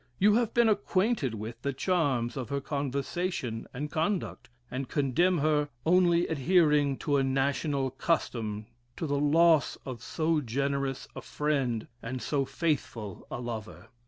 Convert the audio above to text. You have been acquainted with the charms of her conversation and conduct, and condemn her, only adhering to a national custom to the loss of so generous a friend, and so faithful a lover.